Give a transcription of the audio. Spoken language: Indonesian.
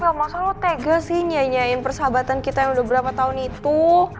bel masa lo tega sih nyanyiin persahabatan kita yang udah berapa tahun itu